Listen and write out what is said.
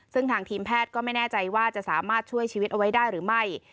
ซึ่งทางทีมแพทย์ก็ไม่แน่ใจว่าจะสามารถช่วยชีวิตเอาไว้ได้หรือไม่